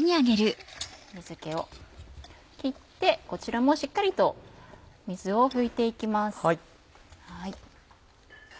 水気を切ってこちらもしっかりと水を拭いて行きます。